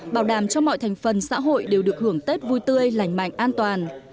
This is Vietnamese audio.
bảo đảm cho mọi thành phần xã hội đều được hưởng tết vui tươi lành mạnh an toàn